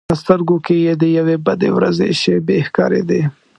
په سترګو کې یې د یوې بدې ورځې شېبې ښکارېدې.